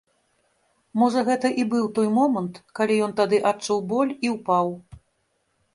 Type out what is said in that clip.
Можа, гэта і быў той момант, калі ён тады адчуў боль і ўпаў.